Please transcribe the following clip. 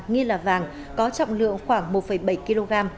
nghi là vàng có trọng lượng khoảng một bảy kg